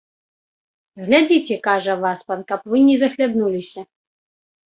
Глядзіце, кажа, васпан, каб вы не захлябнуліся.